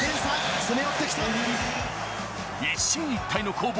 一進一退の攻防。